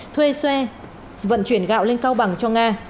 thuê xe vận chuyển gạo lên cao bằng cho nga